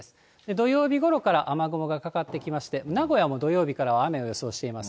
土曜日ごろから雨雲がかかってきまして、名古屋も土曜日からは雨を予想しています。